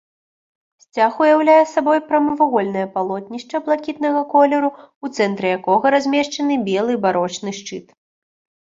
Сцяг уяўляе сабой прамавугольнае палотнішча блакітнага колеру, у цэнтры якога размешчаны белы барочны шчыт.